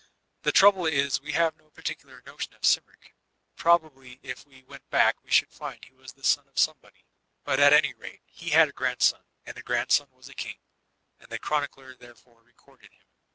The trouble is, we have no par ticular notion of Cymric Probably if we went back we riiould find he was the son of Somebody. But at any rate, he had a grandson, and the grandson was a king, and the chronicler therefore recorded him.